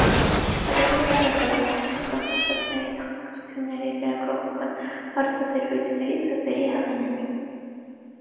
Հարյուրավոր հրապարակախոսական հոդվածների, թղթակցությունների, լրագրողական հարցազրույցների, վեպերի հեղինակ է։